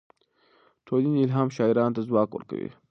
ټولنې الهام شاعرانو ته ځواک ورکوي.